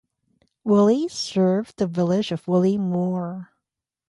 Woolley served the village of Woolley Moor.